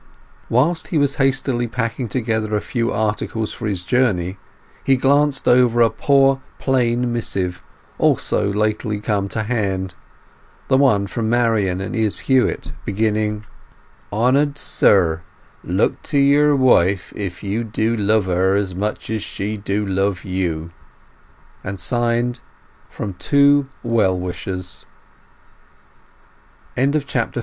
Whilst he was hastily packing together a few articles for his journey he glanced over a poor plain missive also lately come to hand—the one from Marian and Izz Huett, beginning— "Honour'd Sir, Look to your Wife if you do love her as much as she do love you," and signed, "From Two Well Wishers."